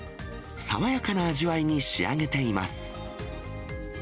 爽やかな味わいに仕上げています。